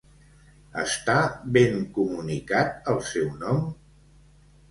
Està ben comunicat el seu nom?